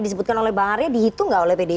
disebutkan oleh bang arya dihitung nggak oleh pdip